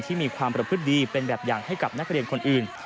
มีความประพฤติดีเป็นแบบอย่างให้กับนักเรียนคนอื่น